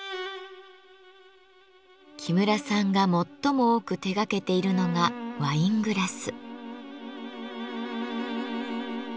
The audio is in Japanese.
木村さんが最も多く手がけているのがワイングラス。